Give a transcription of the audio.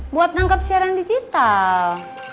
buat nangkep siaran digital